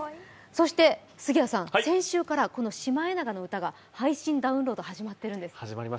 そして杉谷さん、先週からこの「シマエナガの歌」が配信ダウンロードが始まっているんです。